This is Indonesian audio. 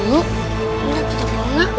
udah kita mau naik